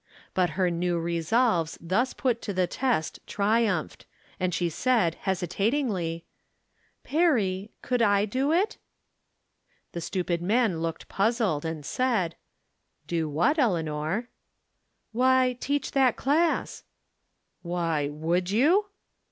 But her new resolves thus put to the test triumphed, and she said, hesitatingly :" Perry, could I do it ?" The stupid man look puzzled, and said : 358 I'rom Different Standpoints. "Do what, Eleanor?" " Why, teach that class." " Why, would you?